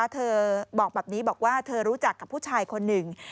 เธอบอกแบบนี้บอกว่าเธอรู้จักกับผู้ชายคนหนึ่ง